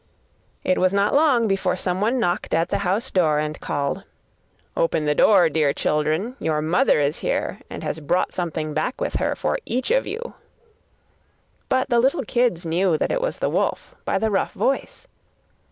It was not long before someone knocked at the house door and called: 'Open the door, dear children; your mother is here, and has brought something back with her for each of you.' But the little kids knew that it was the wolf, by the rough voice.